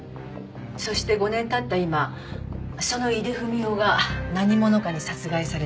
そして５年経った今その井出文雄が何者かに殺害された。